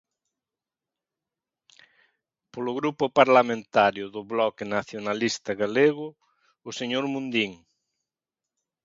Polo Grupo Parlamentario do Bloque Nacionalista Galego, o señor Mundín.